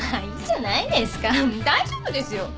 大丈夫ですよ。